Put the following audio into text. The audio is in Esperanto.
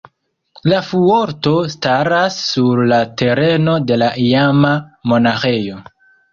La fuorto staras sur la tereno de la iama monaĥejo.